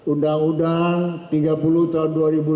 undang undang tiga puluh tahun dua ribu dua